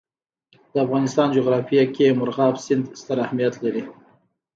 د افغانستان جغرافیه کې مورغاب سیند ستر اهمیت لري.